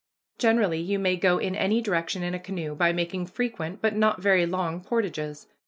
Generally, you may go in any direction in a canoe, by making frequent but not very long portages.